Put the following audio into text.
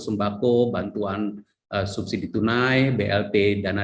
sembako bantuan subsidi tunai blt dana